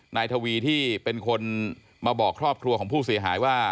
นายทวีที่เป็นคนมาบอกครอบครัวของผู้เสียหายว่า